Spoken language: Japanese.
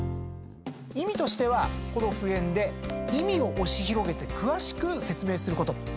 意味としてはこの「敷衍」で意味を押し広げて詳しく説明すること。